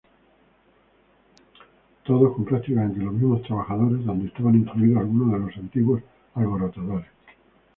Todos con prácticamente los mismos trabajadores donde estaban incluidos algunos de los antiguos alborotadores.